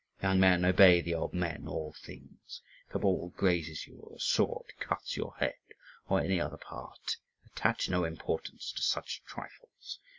Young men, obey the old men in all things! If a ball grazes you, or a sword cuts your head or any other part, attach no importance to such trifles.